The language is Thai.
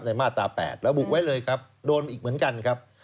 มาตรา๘ระบุไว้เลยครับโดนอีกเหมือนกันครับ